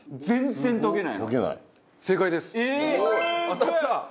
当たった。